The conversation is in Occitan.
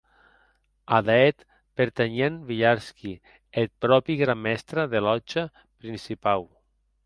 Ada eth pertanhien Villarski e eth pròpi gran mèstre de lòtja principau.